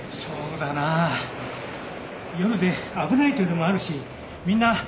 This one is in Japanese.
そうだなあ夜で危ないというのもあるしみんな。